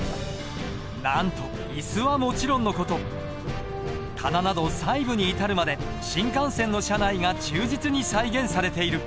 なんと椅子はもちろんの事棚など細部に至るまで新幹線の車内が忠実に再現されている。